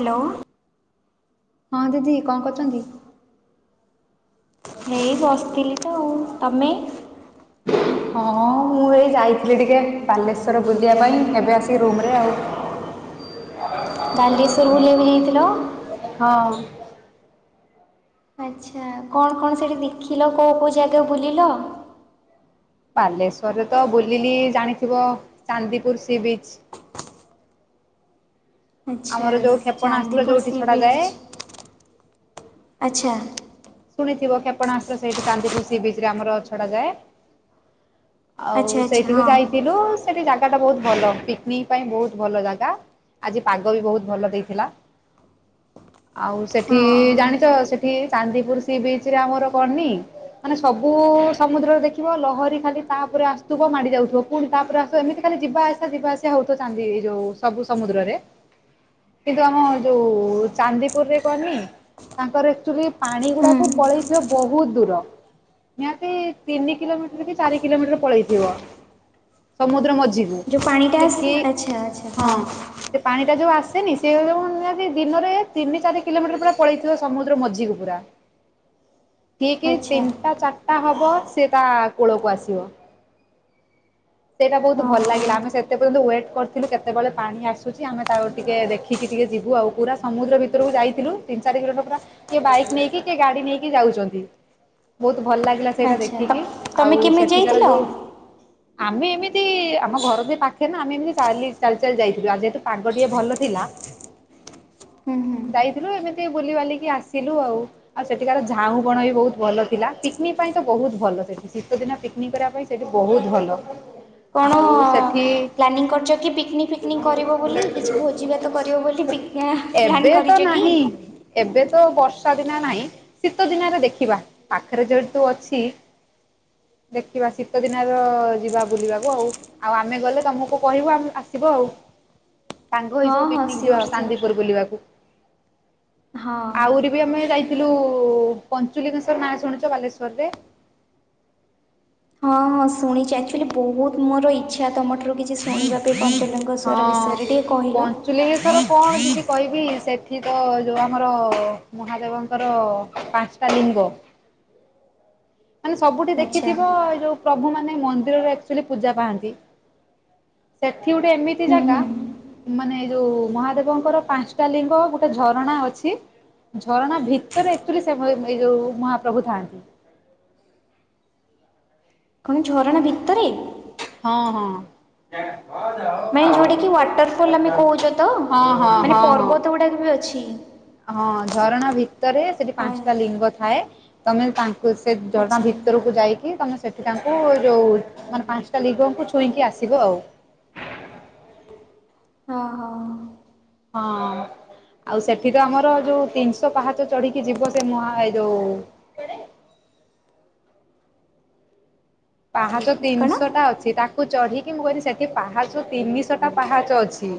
Hello. ହଁ ଦିଦି କଣ କରୁଚନ୍ତି? ହେଇ ବସିଥିଲି ତ ଆଉ ତମେ? ହଁ ମୁଁ ଏଇ ଯାଇଥିଲି ଟିକେ ବାଲେଶ୍ୱର ବୁଲିବା ପାଇଁ ଏବେ ଆସିକି ରୁମ୍ ରେ ଆଉ। ବାଲେଶ୍ୱର ବୁଲିବାକୁ ଯାଇଥିଲ? ହଁ। ଆଚ୍ଛା କଣ କଣ ସେଠି ଦେଖିଲ କଉ କଉ ଜାଗା ବୁଲିଲ? ବାଲେଶ୍ଵରରେ ତ ବୁଲିଲି ଜାଣିଥିବ ଚାନ୍ଦିପୁର ସି ବିଚ୍। ଆଚ୍ଛା ଆମର ଯୋଉ କ୍ଷେପଣାସ୍ତ୍ର ଚାନ୍ଦିପୁର ଯୋଉଠି ସି ବିଚ୍ ଛଡାଯାଏ ଆଚ୍ଛା। ଶୁଣିଥିବ କ୍ଷପଣାସ୍ତ୍ର ସେଇଠି ଚାନ୍ଦିପୁର ସି ବିଚ୍ ରେ ଆମର ଛଡା ଯାଏ। ଆଉ ଆଚ୍ଛା ଆଚ୍ଛା ସେଇଠିକୁ ହଁ ଯାଇଥିଲୁ। ସେଠି ଜାଗାଟା ବହୁତ ଭଲ ପିକନିକ୍ ପାଇଁ ବହୁତ ଭଲ ଜାଗା ଆଜି ପାଗ ବି ବହୁତ ଭଲ ଦେଇଥିଲା। ଆଉ ସେଠି ହଁ ଜାଣିଚ ସେଠି ଚାନ୍ଦିପୁର ସି ସି ବିଚ୍ ରେ ଆମର କଣନି? ମାନେ ସବୁ ସମୁଦ୍ରରେ ଦେଖିବ ଲହରୀ ଖାଲି ତାପରେ ଆସୁଥୁବ ମାଡି ଯାଉଥିବ। ପୁଣି ତାପରେ ଆସୁ ଏମିତି ଖାଲି ଯିବା ଆସିବା ଯିବା ଆସିବା ହଉ ଥୁବ ଚାନ୍ଦି ଏଇଯୋଉ ସବୁ ସମୁଦ୍ରରେ କିନ୍ତୁ ଆମ ଯୋଉ ଚାନ୍ଦିପୁରରେ କନି ତାଙ୍କର ଆକ୍ଚୁଲି ପାଣି ଗୁଡା ହୁଁ କୁ ପଳେଇଥିବ ବହୁତ ଦୂର ନିହାତି ତିନି କିଲୋମିଟର କି ଚାରି କିଲୋମିଟର ପଳେଇଥିବ ସମୁଦ୍ର ମଝି ଯେଉଁ ପାଣିଟା ଆସେ ଆଚ୍ଛା ଆଚ୍ଛା ହଁ। ସେ ପାଣି ଟା ଯୋଉ ଆସେନି ସେ ଯୋ ନିହାତି ଦିନରେ ତିନି ଚାରି କିଲୋମିଟର ପୁରା ପଳେଇଥିବ ସମୁଦ୍ର ମଝିକୁ ପୁରା। ଠିକି ଆଚ୍ଛା ତିନିଟା ଚାରିଟା ହବ ସେ ତା କୂଳକୁ ଆସିବ। ସେଇଟା ବହୁତ ହଁ ଭଲ ଲାଗିଲା ଆମେ ସେ ସେ ପର୍ଯ୍ୟନ୍ତ ୱେଟ୍ କରିଥିଲୁ କେତେବେଳେ ପାଣି ଆସୁଚି ଆମେ ତାକୁ ଟିକେ ଦେଖିକି ଟିକେ ଯିବୁ ଆଉ ପୁରା ସମୁଦ୍ର ଭିତୁରୁକୁ ଯାଇଥିଲୁ ତିନି ଚାରି କିଲୋମିଟର ପୁରା କିଏ ବାଇକ୍ ନେଇକି କି ଗାଡି ନେଇକି ଯାଉଚନ୍ତି ବହୁତ ଭଲ ଲାଗିଲା ସେଇଟା ଆଚ୍ଛା ତ ଦେଖିକି ତମେ ଆଉ କେମିତି ସେଠିକାର ଯାଇଥିଲ? ଯୋଉ ଆମେ ଏମିତି ଆମ ଘର ବି ପାଖେରେ ନା ଆମେ ଏମିତି ଚାଲି ଚାଲ୍ ଚାଲ୍ ଯାଇଥିଲୁ ଆ ଯେହେତୁ ପାଗ ଟିକେ ଭଲ ଥିଲା। ହୁଁ ହୁଁ ଯାଇଥିଲୁ ଏମିତି ବୁଲିିବାଲିକି ଆସିଲୁ ଆଉ। ଆଉ ସେଠିକାର ଝାଉଁ ବଣ ବି ବହୁତ ଭଲ ଥିଲା, ପିକନିକ୍ ପାଇଁ ତ ବହୁତ ଭଲ ସେଠି ଶୀତ ଦିନ ପିକ ନି କରିବା ପାଇଁ ସେଇଠି ବହୁତ ଭଲ। କଣ ଆଉ ସେଠି ପ୍ଲାନିଂ କରିଚ କି ପିକନିକ୍ ଫିକନିକ୍ କରିବ ବୋଲି କିଛି ଭୋଜିଭାତ କରିବ ବୋଲି ପିକ୍ ନା ପ୍ଲାନ୍ ଏବେ ତ କରିଚ କି? ନାହିଁ ଏବେ ତ ବର୍ଷା ଦିନେ ନାଇଁ। ଶୀତ ଦିନରେ ଦେଖିବା ପାଖରେ ଯେହେତୁ ଅଛି। ଦେଖିବା ଶୀତ ଦିନର ଯିବା ବୁଲିବାକୁ ଆଉ। ଆଉ ଆମେ ଗଲେ ତୋମକୁ କହିବୁ ଆମ ଆସିବ ଆଉ। ସାଙ୍ଗ ହେଇ ହଁ ସବୁ ହଁ ପିକନିକ ଯିବା ସିଓର୍ ସିଓର୍ ଚାନ୍ଦିପୁର ବୁଲିବାକୁ। ହଁ ଆଉରି ବି ଆମେ ଯାଇ ଥିଲୁ, ପଞ୍ଚୁଲିଙ୍ଗେଶ୍ୱର ନାଁ ଶୁଣିଚ ବାଲେଶ୍ୱରରେ? ହଁ, ହଁ ଶୁଣିଚି ଆକ୍ଚୁଲି ବହୁତ ମୋର ଇଚ୍ଛା ତୋମଠାରୁ କିଛି ଶୁଣିବାକୁ ପଞ୍ଚୁଲିଙ୍ଗ ହଁ ପଞ୍ଚୁଲିଙ୍ଗେଶ୍ୱର କଣ ଦିଦି କଇ ବି ସେଠି ତ ଯୋଉ ଆମର ମହାଦେବଙ୍କର ପାନ୍ସଟା ଲିଙ୍ଗ ମାନେ ସବୁଠି ଆଚ୍ଛା ଦେଖିଥିବ ଏଇ ଯୋଉ ପ୍ରଭୁ ମାନେ ମନ୍ଦିରରେ ଏକ୍ଚୁଲି ପୂଜା ପାଆନ୍ତି ସେଠି ଗୋଟେ ଏମିତି ହୁଁ ଜାଗା ହୁଁ ମାନେ ଏ ଯୋଉ ମହାଦେବ ଙ୍କର ପାନ୍ସଟା ଲିଙ୍ଗ ଗୁଟେ ଝରଣା ଅଛି ଝରଣା ଭିତରେ ଏକ୍ଚୁଲି ସେ ଏ ଏଇ ଯୋଉ ମହାପ୍ରଭୁ ଥାଆନ୍ତି। କଣ ଝରଣା ଭିତରେ? ହଁ, ହଁ। ମାନେ ଯେଉଁଟାକି ୱାଟରଫଲ୍ ଆମେ କହୁଛ ତ ହଁ, ହଁ, ମାନେ ହଁ, ହଁ। ପର୍ବତ ଗୁଡ଼ାକ ବି ଅଛି ହଁ ଝରଣା ଭିତରେ ସେଠି ଆ ପାନ୍ସଟା ଲିଙ୍ଗ ଥାଏ। ତୋମେ ପା କୁ ସେ ଝରଣା ଆଚ୍ଛା ଭିତରକୁ ଯାଇକି ତୋମେ ସେ ତାଙ୍କୁ ଯୋଉ ମାନେ ପାନ୍ସଟା ଲିଗଙ୍କୁ ଛୁଇଁକି ଆସିବ ଆଉ। ହଁ, ହଁ। ହଁ। ଆଉ ସେଠି ତ ଆମର ଯୋଉ ତିନିଶ ପାହାଚ ଚଢିକି ଯିବ ସେ ମହା ଏଇ ଯୋଉ ପାହାଚ କ'ଣ ତିନିଶ ଟା ଅଛି, ତା କୁ ଚଢ଼ିକି ମୁଁ କହିଲି ସେଠି ପାହାଚ ତିନିଶ ଟା ପାହାଚ ଅଛି।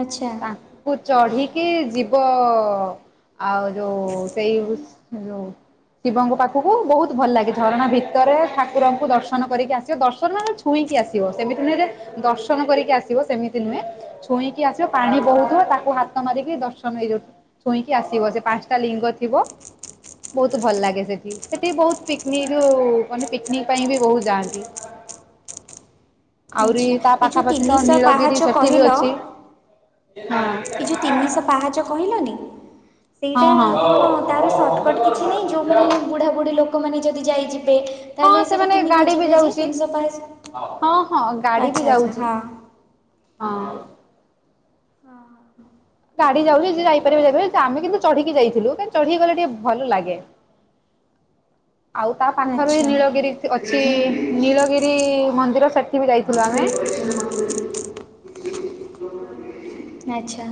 ଆଚ୍ଛା। ତାଙ୍କୁ ଚଢିକି ଯିବ ଅ, ଆଉ ଯୋଉ ସେଇ ଉସ୍ ସେ ଯୋଉ ଶିବଙ୍କ ପାଖକୁ ବହୁତ ଭଲ ଲାଗେ ଝରଣା ଭିତରେ ଠାକୁରଙ୍କୁ ଦର୍ଶନ କରିକି ଆସିବ। ଦର୍ଶନ ମାନେ ଛୁ ଛୁଇଁକି ଆସିବ ସେମିତି ନୁହେଁ ଯେ ଦର୍ଶନ କରିକି ଆସିବ। ସେମିତି ନୁହେଁ ଛୁଇଁକି ଆସ ଯୋଉ ପାଣି ବହୁଥୁବ ତାକୁ ହାତ ମାରିକି ଦର୍ଶନ ଏଇ ଯୋଉ ଛୁଇଁକି ଆସିବ ସେ ପାନ୍ସଟା ଲିଙ୍ଗ ଥିବ। ବହୁତ ଭଲ ଲାଗେ ସେଠି, ସେଠି ବହୁତ ପିକନିକ ଯୋଉ ମାନେ ପିକନିକ ପାଇଁ ବି ବହୁତ ଯାଆନ୍ତି। ଆଉରି ଆଚ୍ଛା ତା ଏ ଯେଉଁ ପାଖାପାଖି ତ ତିନିଶହ ପାହାଚ ନୀଳଗିରି ସେଠି ବି ଅଛି। ହଁ। ଏଇ ଯୋଉ ତିନିଶ ପାହାଚ କହିଲନି ସେଇଟା ହଁ କଣ ତାର ସର୍ଟକଟ୍ ହଁ। କିଛି ନାହିଁ ଯୋଉମାନେ ବୁଢ଼ାବୁଢ଼ୀ ଲୋକମାନେ ଯଦି ଯାଇ ଯିବେ? ତାହେଲେ ହଁ ସେଟା ସେମାନେ କେମି କଣ ଗାଡି ବି ଯିବେ ଯେ ଯାଉଛି। ତିନିଶ ପାହାଚ? ହଁ ହଁ ଗାଡି ବି ଆଚ୍ଛା ଆଚ୍ଛା ଯାଉଛି ହଁ। ହଁ। ହଁ, ହଁ। ଗାଡି ଯାଉଚି ଯେ ଯାଇପାରିବ ଯାଇପାରିବ। ତ ଆମେ କିନ୍ତୁ ଚଢିକି ଯାଇଥିଲୁ କାହିଁକି ଚଢିକି ଗଲେ ଟିକେ ଭଲ ଲାଗେ। ଆଉ ତା ପାଖରେ ଆଚ୍ଛା ନୀଳଗିରି ଅଛି, ନୀଳଗିରି ମନ୍ଦିର ସେଠି ବି ଯାଇଥିଲୁ ଆମେ। ଆଚ୍ଛା।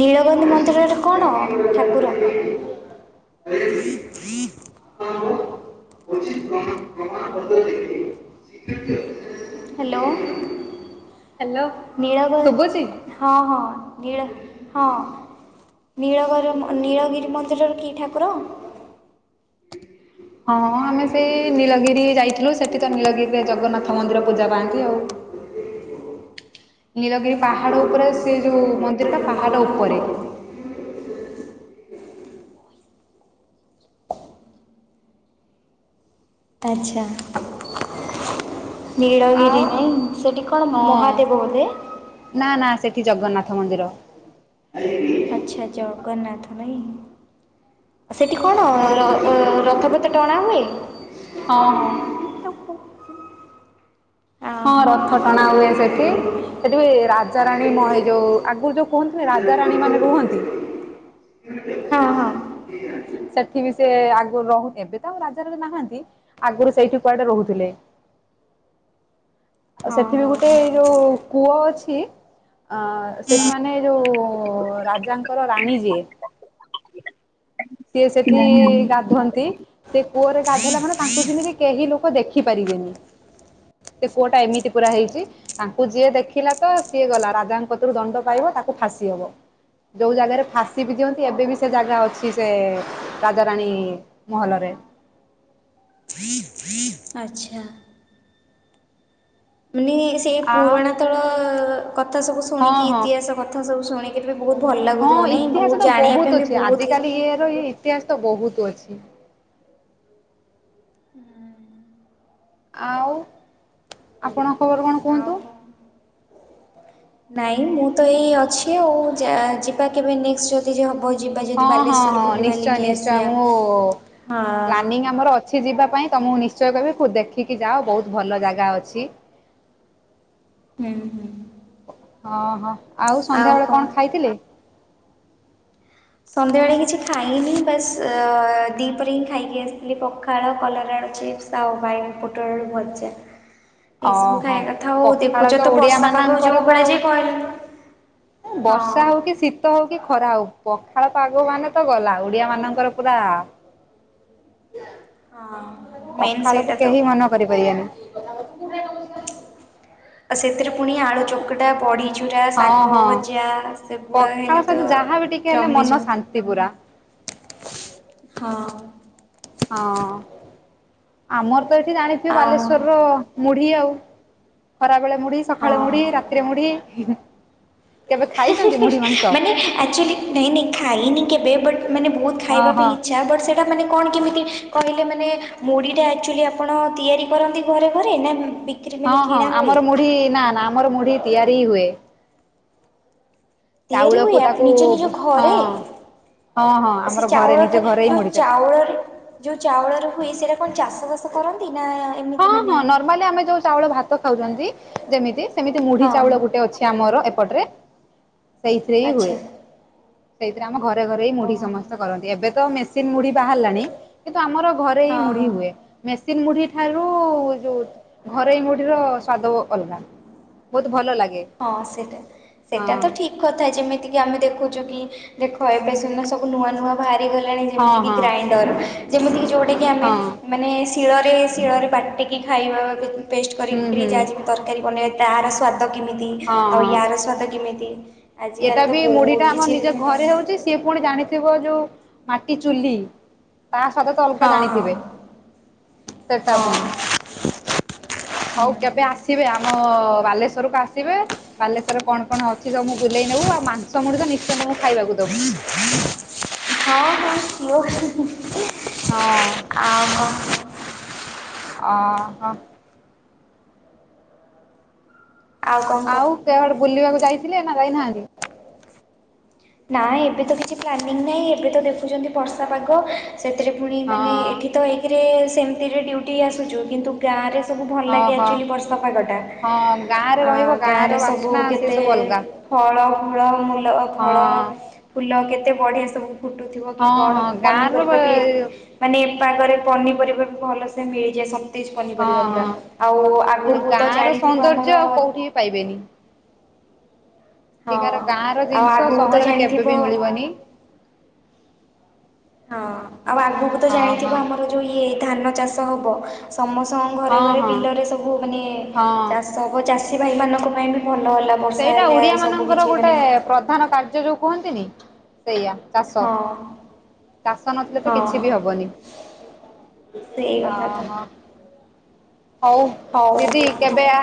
ନୀଳଗିରି ମନ୍ଦିରରେ କଣ ଠାକୁର? [inaudible] [inaudible] [unintelligible] [unintelligible] ହ୍ୟାଲୋ ହ୍ୟାଲୋ ନିଳବ ଶୁଭୁଛି? ହଁ ହଁ ଗିଳ ହଁ ନୀଳଗର ନୀଳଗିରି ମନ୍ଦିରର କି ଠାକୁର? ହ [inaudible] ହଁ ଆମେ ସେଇ ନୀଳଗିରି ଯାଇଥିଲୁ ସେଠି ତ ନୀଳଗିରିରେ ଜଗନ୍ନାଥ ମନ୍ଦିର ପୂଜା ପାଆନ୍ତି ଆଉ ନୀଳଗିରି ପାହାଡ ଉପରେ ସେ ଯୋଉ ମନ୍ଦିର ଟା ପାହାଡ ଉପରେ ଆଚ୍ଛା ଆଉ ନୀଳଗିରି ନା ସେଠି କଣ ହଁ ମହାଦେବ ବୋଧେ ନା ନା ସେଠି ଜଗନ୍ନାଥ ମନ୍ଦିର। ଆଚ୍ଛା ଜଗନ୍ନାଥ ନାଇ। ସେଠି କଣ ର ରଥପତ ଟଣା ହୁଏ। ହଁ ହଁ ହଁ ରଥ ଟଣା ହୁଏ ସେଠି ସେଠିପାଇ ରାଜାରାଣୀ ମହି ଯୋଉ ଆଗରୁ ଯୋଉ କୁହନ୍ତିନି ରାଜାରାଣୀ ମାନେ ରୁହନ୍ତି। ହଁ ହଁ [inaudible] ସେଠି ବି ସେ ଆଗରୁ ରହୁନ ଏବେ ତ ଆଉ ରାଜା ନାହାନ୍ତି। ଆଗରୁ ସେଇଠି କୁଆଡେ ରହୁଥିଲେ। ଆଉ ସେଠି ବି ଗୋଟେ ଏଇ ଯୋଉ କୂଅ ଅଛି ଅ ସେଠିମାନେ ଯେଉଁ ରାଜାଙ୍କର ରାଣୀ ଯିଏ ସିଏ ସେଠି ହଁ। ଗାଧୁଅନ୍ତି। ସେ କୂଅରେ ଗାଧେଇଲା ମାନେ ତାଙ୍କୁ ଯେମିତି କେହି ଲୋକ ଦେଖି ପାରିବେନି। ସେ କୂଅଟା ଏମିତି ପୁରା ହେଇଛି। ତାଙ୍କୁ ଯିଏ ଦେଖିଲା ତ ସିଏ ଗଲା ରାଜାଙ୍କ କତିରୁ ଦଣ୍ଡ ପାଇବ ତାକୁ ଫାଶୀ ହବ। ଯୋଉ ଜାଗାରେ ଫାଶୀ ବି ଦିଅନ୍ତି ଏବେ ବି ସେ ଜାଗା ଅଛି। କି ସେ ରାଜାରାଣୀ ମହଲରେ ଫ୍ରୀ ଫ୍ରୀ ଆଚ୍ଛା କି ସେଇ ଆ ପୁରୁଣାତଳ କଥା ସବୁ ହଁ ଶୁଣିକି ହଁ ଇତିହାସ କଥା ସବୁ ଶୁଣିକିରି ବି ବହୁତ ଭଲ ହଁ ଲାଗୁଥିବ ନାହିଁ ମୁଁ ଇତିହାସ ତ ଜାଣିବା ବହୁତ ପାଇଁ ବି ଅଛି ବହୁତ କିଛି [unintelligible] ଇତିହାସ ତ ବହୁତ ଅଛି। ଆଉ ଆପଣଙ୍କ ଖବର କଣ ଆଉ କୁହନ୍ତୁ? କଣ ନାଇଁ ମୁଁ ତ ଏଇ ଅଛି ଆଉ ଯା ଯିବା କେବେ ନେ ଯେ ହବ ଯିବା ଯଦି ହଁ ହଁ ବାଲେଶ୍ଵର ହଁ ବୁଲି ନିଶ୍ଚୟ ବଲିକି ନିଶ୍ଚୟ ମୁଁ ଆସିବା ହଁ କିଛି ଯିବା ପାଇଁ ତ ମୁଁ ନିଶ୍ଚୟ କିହିବେ ଦେଖିକି ଯାଅ ବହୁତ ଭଲ ଜାଗା ଅଛି। [inaudible] ହୁଁ ହୁଁ। ଓହୋ ଆଉ ସନ୍ଧ୍ୟାବେେଳେ କଣ ଖାଇଥିଲେ? ସନ୍ଧ୍ୟାବେଳେ କିଛି ଖାଇନି ବାସ୍ ଅ ଦ୍ୱିପରେ ହିଁ ଖାଇକି ଆସିଥିଲି ପଖାଳ କଲରାଳ ଚିପ୍ସ ତା ଭାଇନ ପୋଟଳର ଭଜା ଏଇସବୁ ଓହୋ ଖାଇବା କଥା ଆଉ ପଖାଳ ଦେଖୁଛ ତ ଓଡିଆ ବର୍ଷା ପାଗ ଯୋଉ ମାନଙ୍କର ତ ଭଳିଆ ଯେ କହିଲେ ଅ ହଁ ବର୍ଷା ହଉ କି ଶୀ ହଉ କି ଖରା ହଉ ପଖାଳ ପାଗ ମାନେ ତ ଗଲା ଓଡିଆ ମାନଙ୍କର ପୁରା ହଁ ମେନ୍ ପଖାଳକୁ ସେଇଟା ତ। କେହି ମନ କରିପାରିବେନି। ଆଉ ସେଥିରେ ପୁଣି ଆଳୁ ଚୋକଟା ବଢି ଚୁ ରା ହଁ ଶାଗ ହଁ ଭଜା ସେଗୁଡ଼ା ପଖାଳ ହେଲେ ତ ସହିତ ଯାହାବି ଟିକେ ହେଲେ ଜମି ମନ ଯିବ। ଶାନ୍ତି ପୁରା। ହଁ। ହଁ ଆମର ତ ଏଇଠି ଜାଣିଥିବ ଆଉ ବାଲେଶ୍ଵରର ମୁଢି ଆଉ ଖରାବେଳେ ମୁଢି ସକାଳ ହଁ। ମୁଢି ରାତିରେ ମୁଢି କେବେ ଖାଇଛନ୍ତି ହେଁ-ହେଁ-ହେଁ। ମୁଢି ମାଂସ? ମାନେ ଆକ୍ଚୁଆଲି ନାଇଁ ନାଇଁ ଖାଇନି କେବେ, ବଟ୍ ମାନେ ବହୁତ ଖାଇବା ହଁ ପାଇଁ ହଁ ଇଚ୍ଛା। ବଟ୍ ସେ ଇଟା ମାନେ କଣ କେମିତି କହିଲେ ମାନେ ମୁଢ଼ିଟା ଆକ୍ଚୁଆଲି ଆପଣ ତିଆରି କରନ୍ତି ଘରେ ଘରେ ନା, ବି ହଁ, ହଁ। ଆମର ମୁଢି ନା, ନା, ଆମର ମୁଢି ତିଆରି ହୁଏ। ତିଆରି ହୁଏ, ଚାଉଳକୁ ଆପ ତାକୁ ନିଜ ନିଜ ଘରେ? ହଁ ହଁ ହଁ ଆ ଆମର ସେ ଘରେ ନିଜେ ଚାଉଳଟା, ଘରେ ହିଁ ଯୋଉ ମୁଢି ଚା ଚାଉଳରେ ଯୋଉ ଚାଉଳରେ ହୁଏ, ସେଇଟା କଣ ଚାଷବାସ କରନ୍ତି? ନା ହଁ, ଏମିତି ମାନେ ହଁ। ନର୍ମାଲି ଆମେ ଯୋଉ ଚାଉଳ ଭାତ ଖାଉଛନ୍ତି ଯେମିତି, ସେମିତି ମୁଢି ହଁ ଚାଉଳ ଗୁଟେ ଅଛି ଆମର ଏପଟରେ, ସେଇଥିରେ ହି ହୁଏ। ଆଚ୍ଛା ସେଇଥିରେ ଆମ ଘରେ ଘରେ ହି ମୁଢି ଓହୋ ସମସ୍ତେ କରନ୍ତି। ଏବେ ତ ମେସିନ୍ ମୁଢି ବାହାରିଲାଣି କିନ୍ତୁ ଆମର ଘରେ ହି ହଁ ମୁଢି ହଁ। ହୁଏ। ମେସିନ୍ ମୁଢି ଠାରୁ ଯୋଉ ଘରୋଇମୁଢ଼ିର ସ୍ଵାଦ ବ ଅଲଗା, ବହୁତ ଭଲ ଲାଗେ। ହଁ ସେଟା, ହଁ ସେଟା ତ ଠିକ୍ କଥା। ଯେମିତିକିି ଆମେ ଦେଖୁଛୁ କି ଦେଖ ଏବେ ସିନା ସ ବୁ ନୂଆ ନୂଆ ବାହାରି ଗଲାଣି ହଁ ଯେମିତି କି ହଁ ଗ୍ରାଇଣ୍ଡର, ଯେମିତିକି ଯୋଉଟାକି ଆମେ ହଁ ମାନେ ଶିଳରେ ଶିଳରେ ବାଟିକି ଖାଇବା, ବି ପେଷ୍ଟ ହୁଁ କରିକିରି ହୁଁ ଯାହା ଯେମି ତରକାରୀ ବନେଇବା, ତାହାର ସ୍ଵାଦ କେମିତି ଆଉ ୟାର ସ୍ଵାଦ କେମିତି? ଏଇଟା ଆଜିକାଲି ତ ବି ମୁଢିଟା ବହୁତ ଆମର କିଛି ନିଜ ମାନେ ଘରେ ହଉଛି, ସିଏ ପୁଣି ଜାଣିଥିବ ଯୋଉ ମାଟି ଚୁଲି ତା ସ୍ୱାଦ ତ ଅଲଗା ହଁ ଜାଣିଥିବେ, ସେଟା ହଁ ପୁଣି ହଉ ହଁ କେବେ ଆସିବେ, ଆମ ବାଲେଶ୍ଵରକୁ ଆସିବେ, ବାଲେଶ୍ଵରରେ କଣ କଣ ଅଛି ସବୁ ବୁଲେଇ ନବୁ ଆଉ ମାଂସ ମୁଢି ତ ନିଶ୍ଚିୟ ତମକୁ ଖାଇବାକୁ ଦବୁ। ହଁ, ହଁ ମୁଁ ହେଁ-ହେଁ-ହେଁ ହଁ। ଓ ହ। କଣ କୁହ ଆଉ କେୱାଡେ ବୁଲିବାକୁ ଯାଇଥିଲେ ନା ଯାଇନାହାଁନ୍ତି? ନାଇ ଏବେ ତ କିଛି ପ୍ଲାନିଂ ନାହିଁ, ଏବେ ତ ଦେଖୁଛନ୍ତି ବର୍ଷା ପାଗ ସେଥିରେ ପୁଣି ମାନେ ହଁ ଏଠି ତ ଏକେରେ ସେମତିରେ ଡ୍ୟୁଟି ଆସୁଛୁ, କିନ୍ତୁ ଗାଁରେ ସବୁ ଭଲ ଲାଗେ ଓହୋ ଆକ୍ଚୁଆଲି ବର୍ଷା ପାଗଟା, ହଁ ଗାଁରେ ରହିବ ଆଁ ଗାଁର ଗାଁରେ ସବୁ ବାସ୍ନା ସେ କେତେ ସବୁ ଅଲଗା। ଫଳ ଫୁଳ ମୂଲ ହଁ ଫଳ ଫୁଲ କେତେ ବଢ଼ିଆ ସବୁ ଫୁଟୁଥିବ କି ହଁ କଣ? ହଁ ଗାଁର ହଁ ପନିପରିବା ବି ହେଇ ମାନେ ଏ ପାଗରେ ପନିପରିବା ବି ଭଲସେ ମିଳିଯାଏ ସବୁ। ସତେଜ ପନିପରିବା ପୁରା। ହଁ ଆଉ ମାନେ ଆଗକୁ ତ ଗାଁ ର ଜାଣିଥିବ ସୌନ୍ଦର୍ଯ୍ୟ ଆମର ଆଉ କୋଉଠି ବି ପାଇବେନି। ହଁ ଏଠିକାର ଗାଁର ଆଉ ଜିନିଷ ଆଗକୁ ତ ସହରରେ କେବେ ବି ଜାଣିଥିବ ମିଳିବନି। ହଁ ଆଉ ଆଗକୁ ତ ହଁ ଜାଣିଥିବ ହଁ ଆମର ଯୋଉ ଇଏ ଧାନ ଚାଷ ହବ ସମସ୍ତଙ୍କ ଘରେ ହଁ ଘରେ ହଁ ବିଲରେ ସବୁ ମାନେ ହଁ। ଚାଷ ସବୁ ଚାଷୀ ଭାଇମାନଙ୍କ ପାଇଁ ବି ଭଲ ହେଲା। ବର୍ଷା ସେଇଟା ହେଲେ ସବୁ ଓଡିଆମାନଙ୍କର କିଛି ଗୋଟେ ମାନେ ପ୍ରଧାନ କାର୍ଯ୍ୟ ଯୋଉ କୁହନ୍ତିନି, ସେଇଆ। ଚାଷ, ହଁ ଚାଷ ନଥିଲେ ତ ହଁ କିଛି ବି ହେବନି। ସେଇ ଅ, କଥା ତ ହଁ। ହଉ, ଦିଦି କେବେ ଆ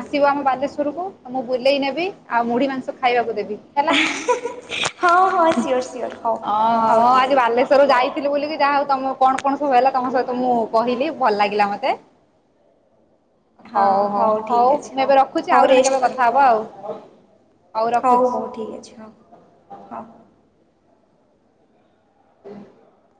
ଆସିବ ଆମ ବାଲେଶ୍ୱରକୁ, ତ ମୁଁ ବୁଲେଇ ନେବି, ଆଉ ମୁଢ଼ି ମାଂସ ଖାଇବାକୁ ଦେବି। ହେଲା। ହେଁ-ହେଁ। ହଉ ହଁ ସିଓର, ସିଓର, ହଉ ହଉ, ଠିକ୍ ଅଛି। ଲେଶ୍ୱର ଯାଇଥିଲି ବୋଲିକି ଯାହାହଉ ତମକୁ କଣ କଣ ସବୁ ହେଲା ତମ ସହିତ ମୁଁ କହିଲି, ଭଲ ଲାଗିଲା ମତେ। ହଁ, ହଉ ଠିକ୍ ଅଛି, ମୁଁ ହଉ ଏବେ ରଖୁଛି ହଉ ଆଉ ଜଣେ ରେଷ୍ଟ କେବେ କର, କଥା ହବା ଆଉ ହଉ। ହଉ ହଉ ଠିକ୍ ଅଛି, ହଉ, ହଉ। [unintelligible]